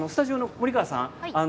森川さん